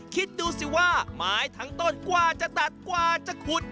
คิดดูสิว่าไม้ทั้งต้นกว่าจะตัดกว่าจะขุด